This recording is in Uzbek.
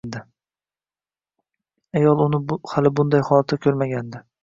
Ayol uni hali bunday holatda ko`rmagandi